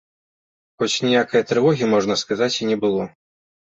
Хоць ніякае трывогі, можна сказаць, і не было.